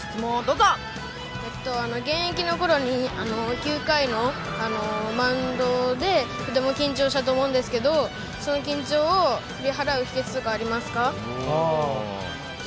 現役の頃に９回のマウンドでとても緊張したと思うんですけど、その緊張を取り払う秘訣とかはありますか？